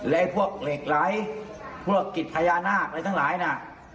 และพวกเหล็กไหลพวกกิจพญานาคอะไรทั้งหลายน่ะ